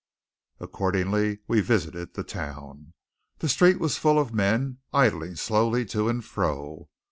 Accordingly we visited the town. The street was full of men idling slowly to and fro.